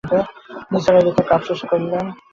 নিসার আলি তাঁর কাপ শেষ করলেন।